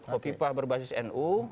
hovifah berbasis nu